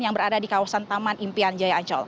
yang berada di kawasan taman impian jaya ancol